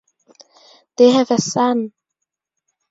They have a son.